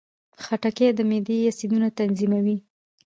خټکی د معدې اسیدونه تنظیموي.